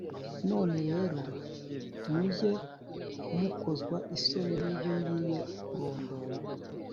None rero, mujye mukozwa isoni n’ibyo ngiye kurondora;